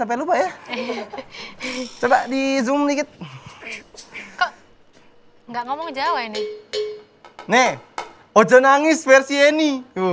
apa lupa ya coba di zoom dikit kok enggak ngomong jawa ini nih ojo nangis versi yeni